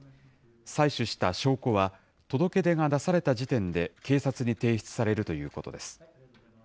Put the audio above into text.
採取した証拠は、届け出が出された時点で警察に提出されるということです。